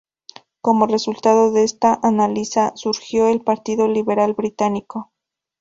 Como resultado de esta alianza surgió el Partido Liberal Británico.